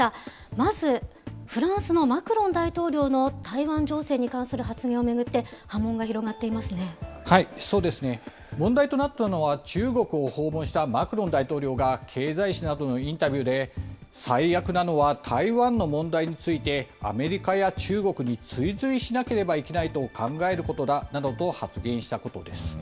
まず、フランスのマクロン大統領の台湾情勢に関する発言を巡って、そうですね、問題となったのは、中国を訪問したマクロン大統領が、経済紙などのインタビューで、最悪なのは台湾の問題について、アメリカや中国に追随しなければいけないと考えることだなどと発言したことです。